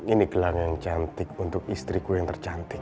ini gelar yang cantik untuk istriku yang tercantik